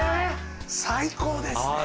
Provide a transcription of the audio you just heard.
最高ですね。